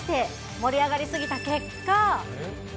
盛り上がり過ぎた結果。